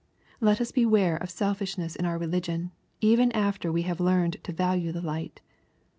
Let us beware of selfishness in our religion, even after we have learned to value the light.